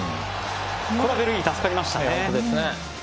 これはベルギー助かりましたね。